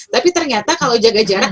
tapi ternyata kalau jaga jarak